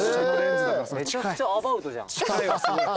めちゃくちゃアバウトじゃん。